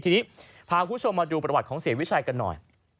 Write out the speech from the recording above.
ทีนี้พาคุณผู้ชมมาดูประวัติของเสียวิชัยกันหน่อย